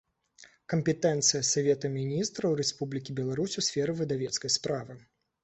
Кампетэнцыя Савета Мiнiстраў Рэспублiкi Беларусь у сферы выдавецкай справы